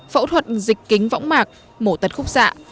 phẫu thuật dịch kính võng mạc mổ tật khúc xạ